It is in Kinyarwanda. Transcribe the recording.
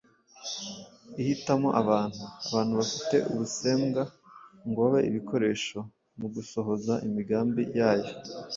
Ihitamo abantu, abantu bafite ubusembwa ngo babe ibikoresho mu gusohoza imigambi yayo